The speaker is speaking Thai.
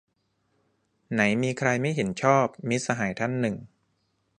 "ไหนมีใคร ไม่เห็นชอบ" - มิตรสหายท่านหนึ่ง